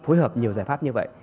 và phối hợp nhiều giải pháp như vậy